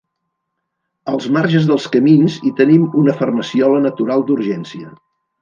Als marges dels camins hi tenim una farmaciola natural d’urgència.